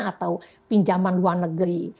atau pinjaman luar negeri